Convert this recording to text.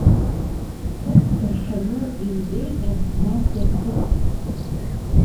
Ԥыҭк ҭыршаны инкеиҟьан, нас ирҭәит.